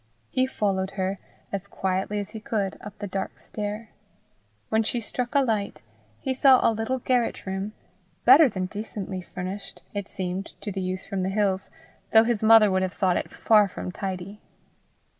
He followed her, as quietly as he could, up the dark stair. When she struck a light, he saw a little garret room better than decently furnished, it seemed to the youth from the hills, though his mother would have thought it far from tidy.